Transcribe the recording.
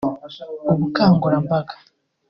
ubukangurambaga